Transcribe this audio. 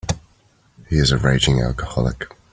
He is a raging alcoholic.